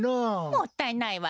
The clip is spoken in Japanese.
もったいないわねえ。